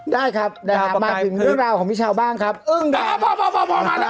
ได้ครับมาถึงเรื่องราวของพี่ชาวบ้างครับเอิ่งเปรอะนะครับค่ะพอพอแล้ว